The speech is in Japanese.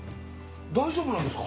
大丈夫なんですか？